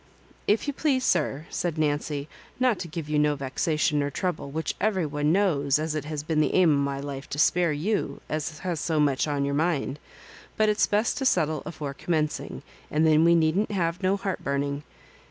" If you please, sir," said Nancy, "not to give you no vexation nor trouble, which every one knows as it has been the aim o' my life to spare you, as has so much on your mind. But it's best to settle afore commencing, and then we needn't have no heartburning.